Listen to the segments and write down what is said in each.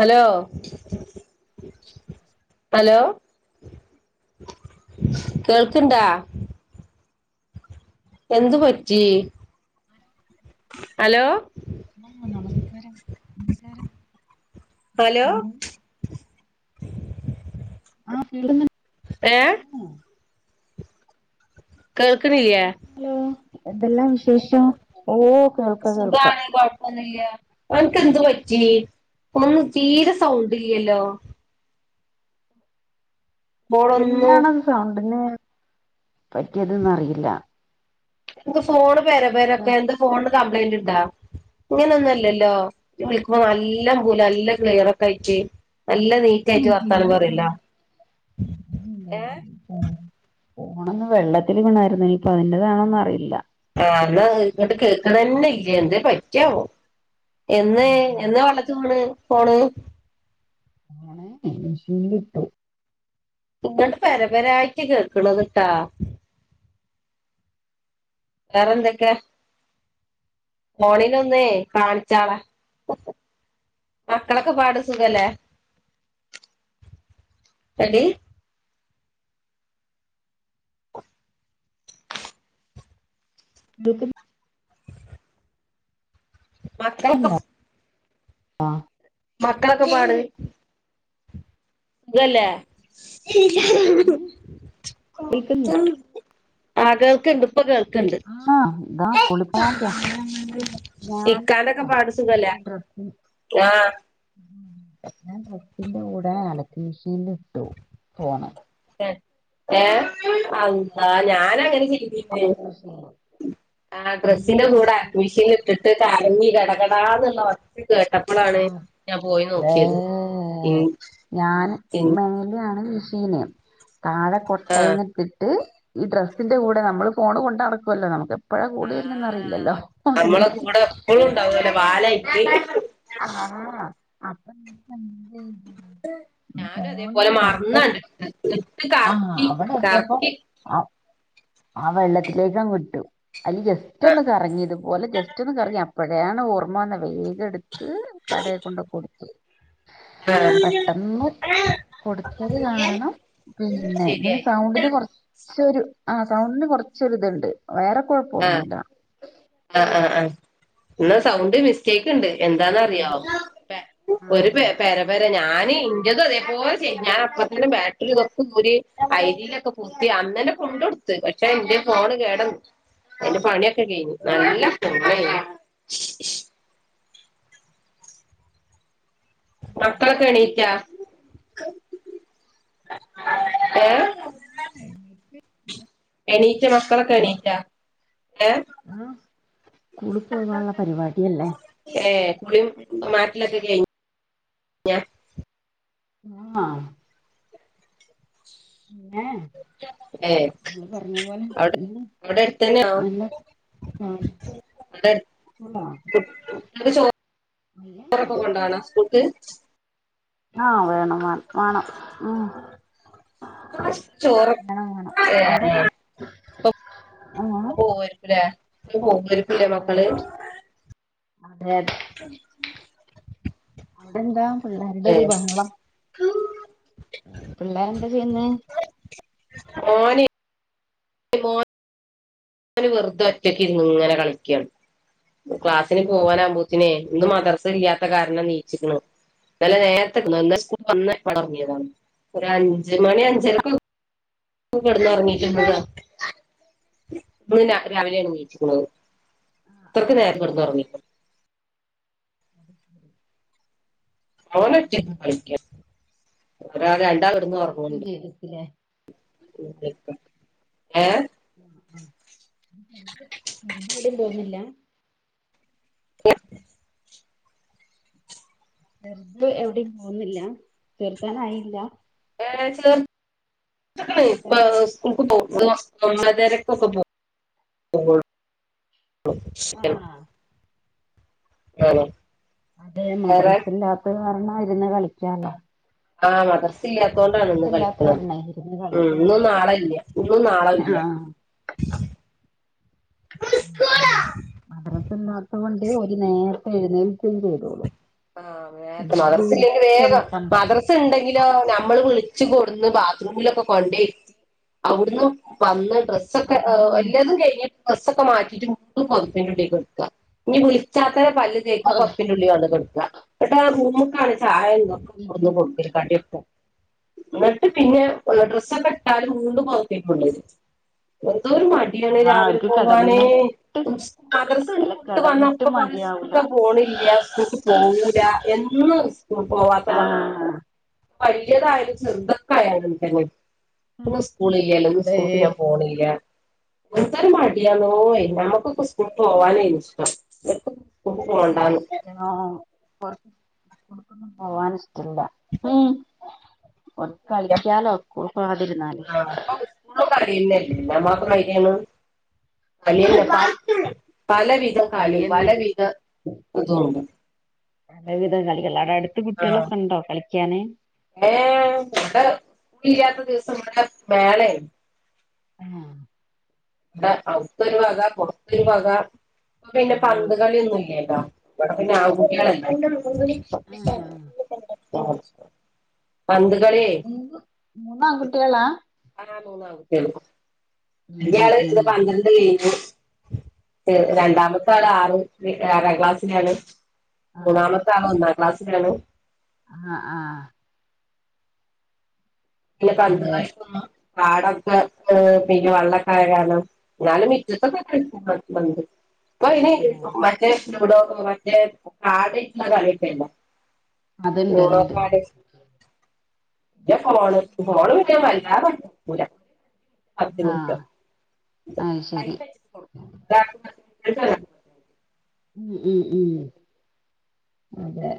Hello hello കേൾക്കണ്ടാ എന്ത് പറ്റി ഹലോ ആ നമസ്കാരം നമസ്കാരം ഹലോ ഏ കേൾക്ക്ണില്ലേ ലോ എതെല്ലാം വിശേഷം ഓ കേൾക്ക കേൾക്കാം സുഖാണ് കൊഴപ്പൊന്നില്ല അവനക്ക്െന്ത് പറ്റി ഒന്ന് തീരെ സൗണ്ട് ഇല്ലല്ലോ ഫോണൊന്നും എല്ലാണത് സൗണ്ടിന് പറ്റിയത്ന്ന അറിയില്ല എനിക്ക് ഫോണ് പേരെ പേരൊക്കെ എന്ത് ഫോണിന് കംപ്ലൈന്റ് ഇണ്ടാ ഇങ്ങന ഒന്നുംല്ലല്ലോ വിളിക്കുമ്പോ നല്ലാം പോൂല നല്ലാം ക്ലിയറക്കെ കയിട്ടേ [unintelligible] ഏ ഫോണൊന്ന് വെള്ളത്തിൽ വീ ണായിരു ന്നെയ് ഇനിപ്പൊ അതിന്റെതാണോന്ന് അറിയില്ല ആ ഇന്ന ഇങ്ങട്ട് കേക്ക്ണന്നെ ഇല്ല എന്തേ പറ്റിയാവോ എന്ന് എന്നാ വെള്ളത്തിവീണ് ഫോണ് ആണെ ഷീൽിട്ടു [unintelligible] ഇങ്ങട്ട് പരപരായിട്ട് കേക്ക്ണത്ട്ടാ വേറെ എന്തൊക്കാ ഫോണിനൊന്നേയ് കാണിച്ചാള മക്കളൊക്കെ പാട സുഖല്ലേ എടീ [unintelligible] മക്കളൊക്കെ ആ മക്കളൊക്കെ പാട് ഇതല്ലേ ഉം [unintelligible] ആ കേൾക്ക്ണ്ട് ഇപ്പൊ കേൾക്ക്ണ്ട് ആഹ് ഞാനല്ലേന്റെ ഡ്രസി ആ ഞാൻ ഡ്രസിന്റെ കൂടെ അലക്കു മെഷീൻല് ഇട്ടു ഫോണ് ഏ അള്ളാ ഞാനങ്ങനെ ചെ തിരിഞ്ഞിലേ അലക്ക് മെഷീനിൽ ആ എന്നിട്ട് ഡ്രസിന്റെ കൂടെ എന്തായി അഡ് മിഷിൻല് ഇട്ടിട്ട് കറങ്ങി [unintelligible] എടാന്നുള്ള ഒച്ച കേട്ടപ്പളാണ് ആഹ് ഞാൻ പോയി ഏ നോക്കിയത് ഇൻ ഞാൻ ഇൻ മേലേണ് മിഷീന് താഴെ ആഹ് കൊട്ടേന്ന് ഇട്ടിട്ട് ഈ ഡ്രസ്സിന്റെ കൂടെ നമ്മള് ഫോണ് കൊണ്ട് നടക്കുവല്ലോ നമക്ക് എ എപ്പഴാ കൂടി വെര്ണ്ന്ന് അറിയില്ലല്ലോ ആഹ് [unintelligible] പാലൈക്ക് ആഹ് അപ്പൊ [inaudible] പം ഞാനു അതേപോലെ ഫോണിന്റെ കൊട്ട മറന്നണ്ട് ഇട്ട് ഇട്ട് ആഹ് കറക്കി അവിടെ എത്തിയപ്പോ കറക്കി ആ ആ വെള്ളത്തിലേക്കങ്ങിട്ടു അയ്ല് ജസ്റ്റ് ഒന്ന് കറങ്ങി ഇത്പോലെ ജസ്റ്റ് ഒന്ന് കറങ്ങി അ അപ്പഴാണ് ഓർമ്മ വന്നത് വേഗം എടുത്ത് കടേകൊണ്ട് കൊടുത്ത് ഗ്യാഹ കൊടുത്തത് കാരണം പിന്നെ ഇതിൻ്റെ ശരിയായി സൗണ്ടില് കൊറച്ചൊരു ആ സൗണ്ടിന് കുറച്ചൊര് ഇതുണ്ട് വേറെ ആ കുഴപ്പമൊന്നുമില്ല ആ ആ ആ ഇന്ന സൗണ്ട് മിസ്റ്റേ ക്ക് ണ്ട് എന്താന്നറിയോ ഒരു ആഹ് പെര പെര ഞ ഞാന് ഇന്റത് അതേപോലെ ഞാൻ അപ്പ തന്നെ ബാറ്ററി ഇതൊക്കര് അഐരിയിലൊക്കെ പത്തി അന്ന് ഇന്നലെ കൊണ്ടോട്ത്ത് പക്ഷെ എന്റെ ഫോണ് കേടന്നു അയിന്റെ പണിയൊക്കെ കയിഞ്ഞ് നല്ല [unintelligible] മക്കളോക്കെ എണീറ്റൊ ഏ എണീറ്റൊ മക്കളൊക്കെ എണീറ്റ ഏ സ്ക്കൂളി പോവാള്ള പരിപാടിയല്ലേ ള മാറ്റിലൊക്കെ കഴിഞ്ഞ ആ പിന്നെ ഏ ഇങ്ങള് പറഞ്ഞ പോലെ അവിടെ [unintelligible] അവിടെ അടുത്തന്നെയാണോ നല്ല ആ ചോറൊക്കെ കൊണ്ടണ സ്കൂൾക്ക് ആവേണം വ വേണം ഉ ചോറ് ഏ അവിടെല്ല [unintelligible] ആഹ് നോക്കിയിരിക്കൂല്ലേ അതെ മക്കള് അതെ അവിടെന്താ പിള്ളേരുടെ ഏ ഒരു ബഹളം പിള്ളേ അത് അന്നെ ഓന് ഒരു മോൻ ഞാന് വെറുതെ ഒറ്റക്ക് ഇരുന്ന് ഇങ്ങനെ കളിക്കാ ക്ലാസ്സിന് പോവാൻ ആവുമ്പോത്തിനെ ഇന്നു മദർസ ഇല്ല്യാത്ത നല്ല നേരത്തേ [unintelligible] നീ കെടന്ന് ഒറങ്ങിക്കോ [inaudible] രാവിലെ എഴുന്നേക്കുമോ ആ ആ ഇത്രക്ക് നേരം കെടന്ന് ഒറങ്ങിക്കോ ഓന് ഒറ്റക്ക് കളിക്കാ ഒരാൾ ആ അപ്പ രണ്ടാൾ എഴുന്നേൽക്കുകേം ചെയ്യത്തില്ലേ എഴുന്നേൽക്കാം ഏ ആ ആ [inaudible] എവിടേയും തോന്നുന്നില്ല എ ചെറുത് എവിടേം പോകുന്നില്ല തീർത്താനായില്ല ചേർ [unintelligible] സ്കൂൾക് പോ ഒരൊമ്പതര വരെ [unintelligible] ആഹ് ആ അതെ മദ്രസല്ലാത്ത കാരണം ഇരുന്ന് കളിക്കാല്ലോ ആ മദ്രസില്ലാത്തോണ്ടാണ് ഇന്ന് കളിക്കുന്നത് കാരണേ ഇരുന്ന് ഉം ഇന്നും നാ ആ ആ ഇല്ല മദ്രസില്ലാത്തോണ്ട് ഒരു നേരത്തെ എഴുന്നേൽക്കേം ചെയ്തോളൂ ആ നേരത്തെ മദ്രസ ഇല്ലെങ്കിൽ വേഗം വിളിച്ചൊണർത്തണ്ടേ മദ്രസ ഇണ്ടെങ്കിലോ ഞമ്മള് വിളി വിളിച്ച് കൊട്ന്ന് ബാത്റൂമിലൊക്കെ കൊണ്ടെ ഇരുത്തി അവിടുന്ന് വന്ന് ഡ്രസ്സൊക്കെ ആ ആഹ് വല്ല്യതും കഴിഞ്ഞി ഡ്രെസ്സൊക്കെ മാറ്റിയിട്ട് പൊതപ്പിന്റെ ഉള്ളില്ക്ക് കെടക്കുക ഇനി വിളിച്ചാ അന്നേരം പല്ല് തേക്ക്ക പൊതപ്പി ന്റുള്ളി വന്ന് കൊടക്ക എന്നിട്ടാ ആ റൂമൊന്ന് കാണ് ട്ടാ ഇരുന്ന് എ എന്നിട്ട് പിന്നെ ഏ ഡ്രസ്സൊക്കെ ഇട്ടാലും മൂന്നും ഓക്കേ കൊണ്ടെല്ല് ഓ ന്തരു മടിയാണ് ആഹ് രാവിലെ അവർക്ക് പോവാനേ കിടന്നിട്ട് സ് മദ്രസ കണ്ട് അല്ല വിട്ട് കിടന്നിട്ട് വന്നപ്പ പറ മതിയാവൂല [unintelligible] പോണില്ല സ്കൂൾക്ക് പോകൂല്ല എന്നും സ്കൂൾ പോവാത്ത മക്കൾ ആഹ് വലിയതായാലും ചെറതൊക്കായാലും തന്നെ പ്പൊ സ്കൂളില്ലാല്ലോ ഒരു ദേ സ്കൂൾക്ക് ഞാൻ പോണില്ല എന്തൊരു മടിയണോയ് ഇപ്പോ നമ്മക്ക് ഉസ്കൂളി പോവാനേയ് ഇഷ്ടം സ്കൂൾക്ക് പോണ്ടാന്ന് ഉംആ ആ ആ പൊറത്തേക്കൊന്നും പോവാന് ഇഷ്ടില്ല ഊം പൊറത്ത് കളിക്കാലോ [unintelligible] പോകാതിരുന്നാല് [unintelligible] പലവിധ കാലും കളിയെന്നെ പലവിധ ഇതും ഉണ്ട് പലവിധം കളികള് അതായത് അടുത്ത് കുട്ടികളൊക്കെ ഉണ്ടോ കളിക്കാന് ഏ ഇവിടെ സ്കൂളല്ലാത്ത ദിവസം ഇവിടെ മേള ആയിരുന്നു ആ ഇവിടെ ഔത്തൊരു വക പുറത്തൊരു വക ഇപ്പ പിന്നെ ഓ പന്ത് കളിയൊന്നുല്ലേല്ലാ [inaudible] ആഹ് മൂന്നാകുട്ടികളാ ആ മൂന്നാകുട്ടികള് ഉം ഉം ഇയാള് ഉം ഇതൊക്കെ [unintelligible] ആഹ് രണ്ടാമത്തെ ആള് ആറ് വീ ആറാം ക്ലാസ്സിലാണ് ആഹ് മൂന്നാമത്തെ ആള് ഒന്നാണ് ക്ലാസ്സ് രണോ ആഹ്, ആഹ് പിന്നെ കന്ന് അതെ കാശ് വന്ന് പാടൊക്കെ ഏഹ് പിന്നെ വള്ളൊക്കായകാലം ന്നാലും മിറ്റത്തൊക്ക കളിക്കും [unintelligible] മണ്ണില് ഇപ്പൊഅയ്‌ന് ഓ [unintelligible] മറ്റേ ലുഡോ പ്പൊ മറ്റേ കർഡേറ്റ്ണ കളിക്കെ അല്ലെ. അതുണ്ട് യുറോ അതുണ്ട് കാർഡ്, ക്ക ഫോണ്. ഫോൺ പിന്നെ വല്ലാതെ ആണ്ട് ഇട്കൂല. ആഹ് അത്തിമുറ്റം അത് ശരി [unintelligible] അഹ് കാര്യം ഉം ഉം ഉം, അതെ.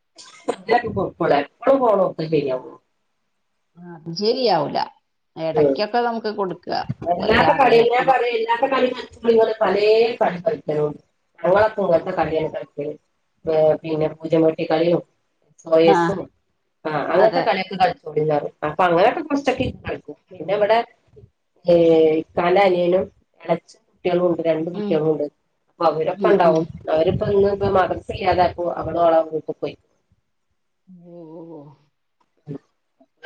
[unintelligible] ആഹ്, ജരിയാവൂല. ഉം വല്ലാത്ത കളിന്നെ ഞാൻ ഓരോരാഗ്രഹത്തിന് പറിം എല്ലാത്ത കളി കൾച്ചോളി ങ്ങള് പറിം എല്ലേ കളി കൾച്ചണം. ഞങ്ങളൊക്കെ ഇത്‌പോലത്തെ കളിയാണ് കളിക്കല്. ഏഹ്, പിന്നെ പൂജം വെട്ടി കളീം. എസ് ഒ ആഹ് എസ്സും, ആഹ് അങ്ങൻത്തെ അതെ കളിയൊക്കെ കളിച്ചോളിന്ന്റിം അപ്പൊ അങ്ങനെയൊക്കെ കൊറച്ചൊക്കെ ഇരുന്ന് കളി ക്കും. പിന്നെ ഇവിടെ, ഏ ഹ് ഇക്കാന്റെ അനിയനും എളച്ച കുട്ടിയാളുണ്ട് രണ്ട് ഉം കുട്ടിയാളു ണ്ട് അപ്പൊ ഉം ഉം അവരൊക്കെണ്ടാവും. അവരിപ്പന്ന് ഇന്ന് മദ്രസ്സ് ഇല്ലാതായപ്പോ, അവള് ഓ ളെ വീട്ട് പോയി. [unintelligible] ഉം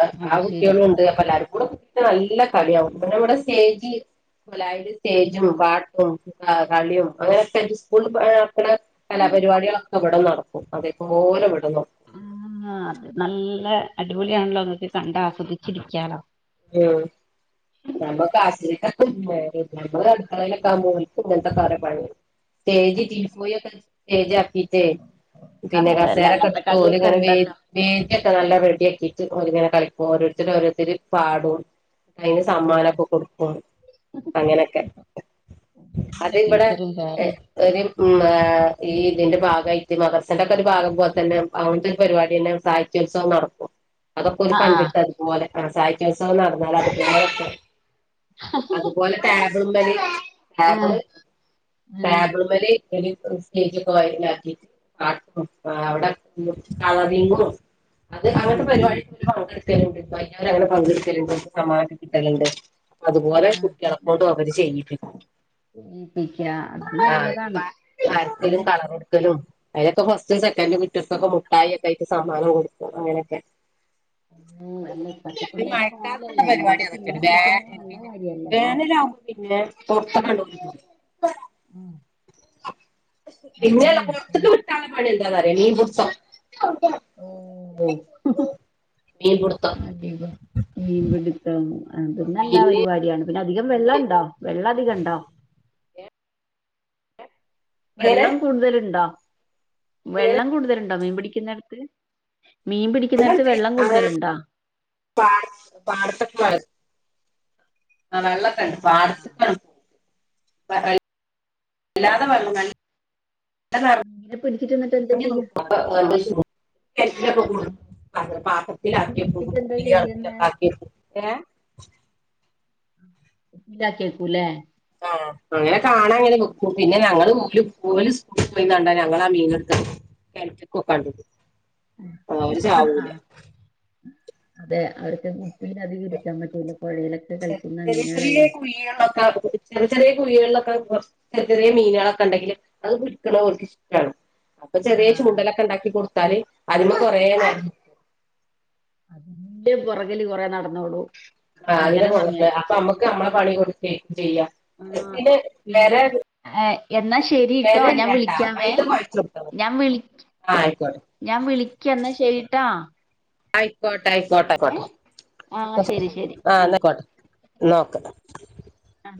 അഹ് അത് ആഹ് ശരി കുട്ടിയാളും ഇണ്ട് അപ്പ എല്ലാരും. ഇവിടെ കുട്ടികള് നല്ല കളിയാവും. പിന്നെ ഇവിടെ സ്റ്റേജ് കൊലായില് സ്റ്റേജും പാട്ടും. ആഹ്, കളിയും, അങ്ങനെയൊക്കയിട്ട് സ്കൂൾള് നടത്തുണ കലാപരിപാടികളൊക്കെ ഇബടെ നടത്തും. അപ്പൊ അതെപ്പോലെവ്ട്ന്നും മ് മ്മ അത് നല്ല അടിപൊളിയാണല്ലോ ഇങ്ങക്ക് കണ്ട് ആസ്വദിച്ചിരിക്കാലോ. ഉം, ഞമ്മക്ക് ആസ്വദിക്കാൻ [unintelligible] നേരല്യ നമ്മള് അടുക്കളയിലൊക്കെ ആവുമ്പോ ഓൽക് ഇങ്ങൻതൊക്കെ ഓരോ പണിയെണ് സ്റ്റേജ് ടീ പോയൊക്കെ സ്റ്റേജാക്കി. ട്ട്, പിന്നെ അതെ അല്ല കസേരൊക്കെ അങ്ങനത്തെ ഇട്ടിട്ട് കളിയൊക്കെ ഓല്ങ്ങനെ ഇണ്ടല്ലോ വേദിക്കെ നല്ല റെ ക്കിയിട്ട്, ഓരിങ്ങനെ കളിക്കും,, ഓരോരുത്തര് ഓരോര്ത്തര് പാടും. അയിന് ഓ സമ്മാനൊക്ക കൊടുക്കും, അങ്ങനക്കെ. അത് അന്നെ വിടെ, ടീച്ചറും ഇ സാറും ഒര്. മ്മാ.. ആഹ്, ഈ ഇതിന്റെ ഭാഗമായിട്ട് മദ്രസ്സന്റെ ഒക്കെ ഒരു ഭാഗം പോല തന്നെ, അവിഡ്ത പരിപാടി തന്നെ സാഹിത്യോത്സവം നടത് ഉ അതൊക്കെ ഒരു കണ്ടിട്ട് അതുപോലെ ആഹ് സാഹിത്യോത്സവം നടന്നാൽ അത്പലെ അതുപോലെ ടാബിളും മേല് ആ ടബിള് ഉം ടാബിള് മേല് സ്റ്റേജക്കെയിട്ട അവിടെ കളറിങ്ങും അത് ഉം അങ്ങനത്തെ ഉം, പരിപാടി പങ്കെടുക്കലണ്ട്യ്യർ അങ്ങനെ പങ്കെടുക്കലുണ്ട് സമാപിക്കലുണ്ട് ആ അതുപോലെ കുട്ടികളക്കോടും അവര് ചെയ്യിപ്പിക്കും ഏൽപ്പിക്ക അത് ആഹ് നല്ലതാണ് പ്പ വരക്കലും ഇപ്പഴേ കളറൊട്ക്കലും അതിലൊക്കെ ഫസ്റ്റും സെക്കൻറും കട്ടിയോർകൊകെ മുഠായി ഒക്കെ ആയി് സമ്മാനം കൊടുക്കും അങ്ങനെയൊക്കെ ളം അല്ലെ ഒരു മഴക്കാലത്തുള്ള പരിപാടി കളിക്കുന്നത് അതൊക്കെയാണ് നല്ല പിന്നെ കാര്യല്ലേ വേനലാവുമ്പോൾ പിന്നെ പൊർത്തൊക്കണ്ടോ [unintelligible] ഉം പിന്നെയല്ല പുറത്തക്ക് വിട്ടാന പണി എന്താ അറിയ മീൻ പിടിച്ച ഓ മിൽ പിടുത്തം അധികം മീൻപിടുത്തം അത് നല്ല മീന് പരിപാടിയാണ് പിന്നെ അധികം വെള്ളം ഉണ്ടോ വെള്ള ഇത് കണ്ടോ എങ്ങനെ വെള്ളം കൂടുതലുണ്ടോ എങ്ങനെ വെള്ളം കൂടുതലുണ്ടോ മീൻ പിടിക്കുന്നേടത്ത് മീൻ പിടിക്കുന്നിടത്ത് വെള്ളം അങ്ങനെ കൂടുതല്ണ്ടോ പാട പാടത്തൊക്കെ ആ വെള്ളൊക്കെണ്ട് ആഹ് ആഹ് [unintelligible] വല്ലാതെ ഓ വെള്ളം [unintelligible] [unintelligible] മീനെ പിടിച്ചിട്ട് എന്നിട്ട് എന്താ ചെയ്യാ [unintelligible] ആക്ക്ണ് മീൻ പാത്രത്തിലാക്കി വെക്കും പിടിച്ചിട്ട് എന്താ പിന്നെ അൾക്കിലൊക്കെ ചെയ്യുന്നെ ആക്കി വെക്കും ഏ താക്കിയേക്കൂലേ ആ അങ്ങനെ കാണാൻങ്ങനെ നിക്കും പിന്നെ ഞങ്ങള് ഓല് സ്കൂൾക്ക് പോയിന്നണ്ട ഞങ്ങള് ആ മീനെടുത്ത് കിണറ്റി കഓക്കേ ആണ്ട് ഇടും ആ അവര് ആഹ് ചാവൂലെ ആഹ് അതെ അവർക്ക് ഇപ്പൊ അയിന് അധികം ഇരിക്കാൻ പറ്റൂല പുഴയിലൊക്കെ കളിക്കുന്ന ചെറിയ ചെറിയ മീനുകളല്ലേ കുഴികളൊക്കെ കുഴിച്ച് ചെറിയ കുഴികളിലൊക്കെ കൊറച്ച് ചെറിയ ചെറിയ മീനുകളൊക്കെ ഉണ്ടെങ്കിൽ അത് പിടിക്ക്ണത് ഓല്ക് ഇഷ്ടാണ് അപ്പൊ ചെറിയ ആഹ് ചൂണ്ടലൊക്കെ ഉണ്ടാക്കി കൊടുത്താല് അതിമെ കൊറേനേരം അതിന്റെ പൊറകിൽ കൊറേ നടന്നോളും ആ അതിന്റെ പൊറകില് അപ്പൊ നമ്മക്ക് നമ്മളെ പണിങ്ങട്ട് [unintelligible] ചെയ്യാ ആഹ് എസ്ന് പിന്നെ വേറെ ഒരു ഏഹ് എന്നാ ശെരിട്ടോ ഞാൻ വിളിക്കാവേ മൈദ കൊഴച്ചെടുത്തോ ഞാൻ വിളി- ആഹ് ആയിക്കോട്ടെ ഞാൻ വിളിക്കന്നാ ശരിട്ടോ അയ്ക്കോട്ടെ അയ്ക്കോട്ടെ അയിക്കോട്ടെ ന്നാ ശരി ആഹ് ന്നാ അയ്ക്കോട്ടെ ന്നാ ഒക്കെ ആ